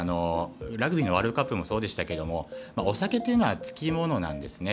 ラグビーのワールドカップもそうでしたけどもお酒はつきものなんですね。